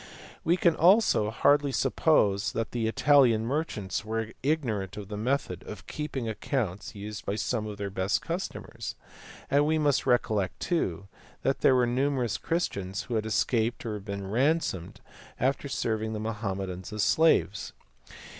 We can also hardly suppose that the Italian merchants were ignorant of the method of keeping ac counts used by some of their best customers ; and we must recol lect too that there were numerous Christians who had escaped or been ransomed after serving the Mohammedans as slaves.